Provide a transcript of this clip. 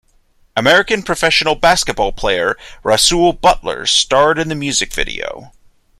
American professional basketball player Rasual Butler starred in the music video.